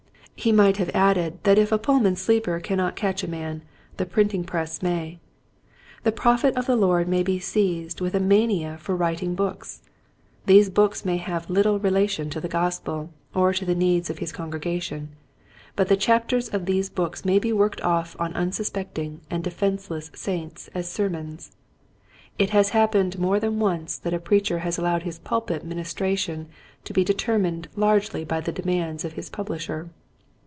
He might have added that if a Pullman sleeper cannot catch a man, the printing press may. The prophet of the Lord may be seized with a mania for writ Io6 Quiet Hints to Growing Preachers. ing books. These books may have little relation to the Gospel or to the needs of his congregation, but the chapters of these books may be worked off on unsuspecting and defenseless saints as sermons. It has happened more than once that a preacher has allowed his pulpit ministration to be determined largely by the demands of his publisher.